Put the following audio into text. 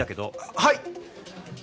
はい！